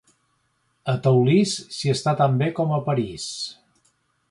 A Teulís, s'hi està tan bé com a París.